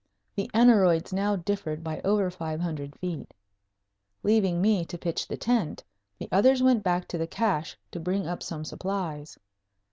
The aneroids now differed by over five hundred feet. Leaving me to pitch the tent, the others went back to the cache to bring up some of the supplies.